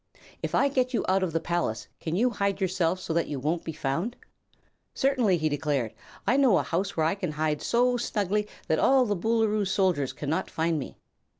"If I get you out of the palace, can you hide yourself so that you won't be found?" "Certainly!" he declared. "I know a house where I can hide so snugly that all the Boolooroo's soldiers cannot find me."